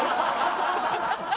ハハハハ！